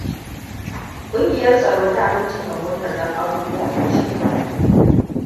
Kungiyar tsaro ta bincika motar don abubuwan fashewa.